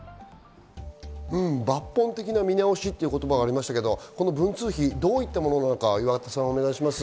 抜本的な見直しという言葉がありましたが、この文通費、どういったものなのかお願いします。